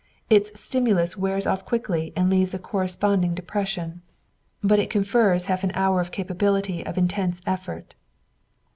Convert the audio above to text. Its stimulus wears off quickly and leaves a corresponding depression, but it confers half an hour of capability of intense effort.